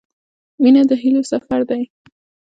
• مینه د هیلو سفر دی.